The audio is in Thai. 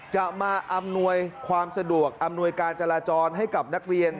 จะมาอำนวยความสะดวกอำนวยการจราจรให้กับนักเรียน